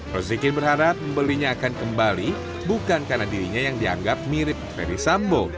rozikin berharap membelinya akan kembali bukan karena dirinya yang dianggap mirip ferdis sambo